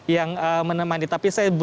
yang menemani tapi saya